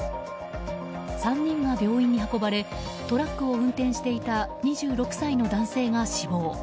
３人が病院に運ばれトラックを運転していた２６歳の男性が死亡。